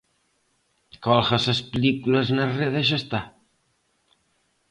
Colgas as películas na rede e xa está.